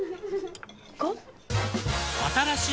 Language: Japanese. ５？